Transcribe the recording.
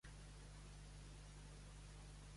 Més informació ja que és més fàcil enviar-la.